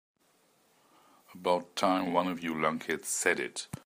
About time one of you lunkheads said it.